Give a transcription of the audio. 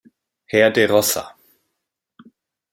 Herr de Rossa.